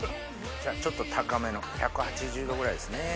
じゃあちょっと高めの１８０℃ぐらいですね。